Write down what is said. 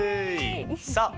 さあ